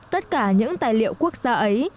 tất cả những tài liệu quốc gia ấy